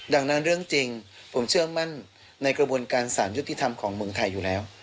ดังนั้นเรื่องจริงผมเชื่อมั่นในกระบวนการสารยุติธรรมของเมืองไทยอยู่แล้ว